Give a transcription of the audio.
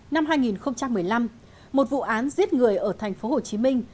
năm hai nghìn một mươi năm một vụ án giết người ở thành phố hồ chí minh